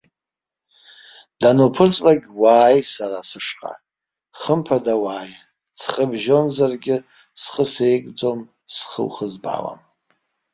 Дануԥырҵлак уааи сара сышҟа, хымԥада уааи, ҵхыбжьонзаргьы схы сеигӡом, схы ухызбаауам.